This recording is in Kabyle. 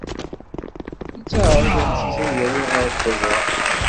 Yettεaraḍ umcic ad yali ɣer ttejra.